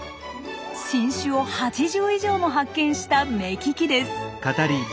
新種を８０以上も発見した目利きです。